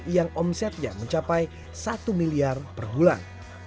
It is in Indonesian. yang omsetnya mencapai satu miliar per bulan